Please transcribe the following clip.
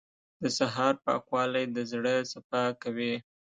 • د سهار پاکوالی د زړه صفا کوي.